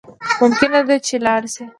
ممکنه ده چی لاړ شی